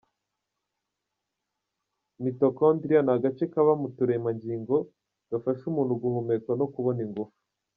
Mitochondria ni agace kaba mu turemangingo gafasha umuntu guhumeka no kubona ingufu.